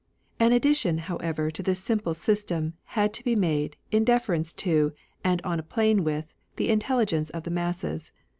An addition, however, to this simple Popular Cosmo system had to be made, in deference ^^^^' to, and on a plane with, the in telligence of the masses.